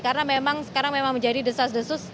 karena memang sekarang memang menjadi desas desus